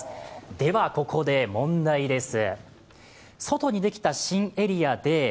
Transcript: では、ここで問題です。